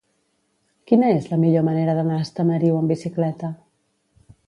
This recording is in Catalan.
Quina és la millor manera d'anar a Estamariu amb bicicleta?